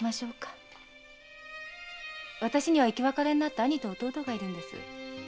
私には生き別れになった兄と弟がいるんです。